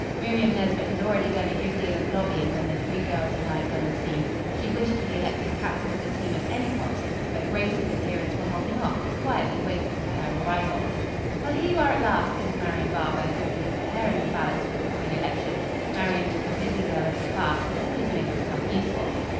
Miriam Nesbit had already done a good deal of lobbying when the three girls arrived on the scene. She wished to be elected captain of the team at any cost; but Grace's adherents were holding off, quietly waiting for her arrival. "Well, here you are at last!" said Marian Barber, who had been preparing the ballots for the coming election. Marian was the busy girl of the class, and always made herself useful.